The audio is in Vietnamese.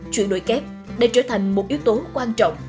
chuyển đổi kép đã trở thành một yếu tố quan trọng